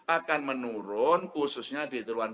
akan menurun khususnya di ruang dua